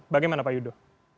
bagaimana pak yudo